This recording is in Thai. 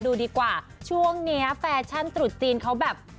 ดูดีกว่าช่วงนี้แฟชั่นตรุษจีนเขาแบบ